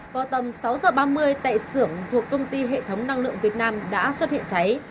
vào tầm sáu h ba mươi tại xưởng thuộc công ty hệ thống năng lượng việt nam đã xuất hiện cháy